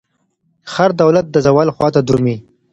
هر دولت د زوال خواته درومي.